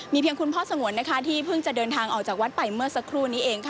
เพียงคุณพ่อสงวนที่เพิ่งจะเดินทางออกจากวัดไปเมื่อสักครู่นี้เองค่ะ